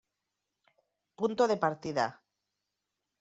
Punto de partida.